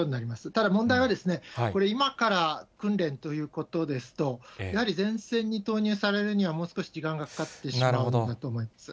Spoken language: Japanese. ただ問題は、これ、今から訓練ということですと、やはり前線に投入されるには、もう少し時間がかかってしまうんだと思います。